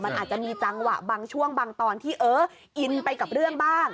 มันอาจจะมีจังหวะบางช่วงบางตอนที่เอออินไปกับเรื่องบ้าง